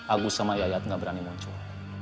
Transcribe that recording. agus sama yayat gak berani muncul